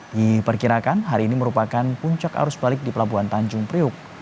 diperkirakan hari ini merupakan puncak arus balik di pelabuhan tanjung priuk